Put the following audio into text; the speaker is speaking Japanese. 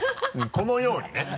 このようにね。